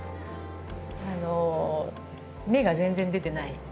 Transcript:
あの芽が全然出てない。